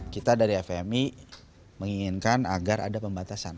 kita dari fmi menginginkan agar ada pembatasan